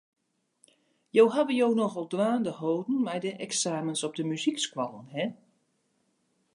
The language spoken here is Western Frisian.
Jo hawwe jo nochal dwaande holden mei de eksamens op dy muzykskoallen, hin.